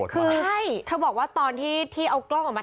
คือใช่เธอบอกว่าตอนที่เอากล้องออกมา